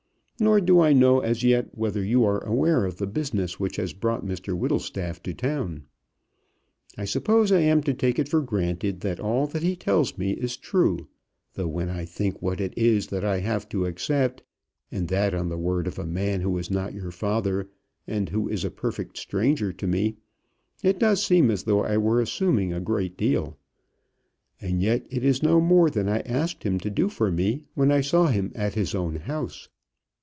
Nor do I know as yet whether you are aware of the business which has brought Mr Whittlestaff to town. I suppose I am to take it for granted that all that he tells me is true; though when I think what it is that I have to accept, and that on the word of a man who is not your father, and who is a perfect stranger to me, it does seem as though I were assuming a great deal. And yet it is no more than I asked him to do for me when I saw him at his own house.